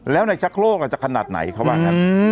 แล้วในชักโลกอ่ะจะขนาดไหนเขาบอกนะครับ